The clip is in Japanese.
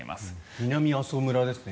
南阿蘇村ですね。